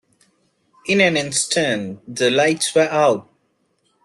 In an instant the lights were out.